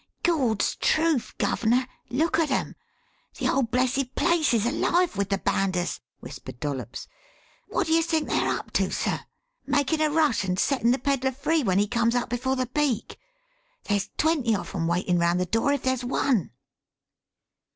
"Gawd's truth, guv'ner, look at 'em the 'ole blessed place is alive with the bounders," whispered Dollops. "Wot do you think they are up to, sir? Makin' a rush and settin' the pedler free when he comes up before the Beak? There's twenty of 'em waitin' round the door if there's one."